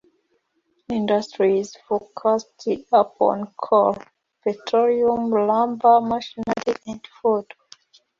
Industry is focused upon coal, petroleum, lumber, machinery, and food.